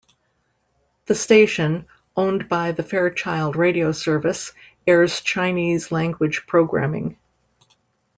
The station, owned by the Fairchild Radio service, airs Chinese language programming.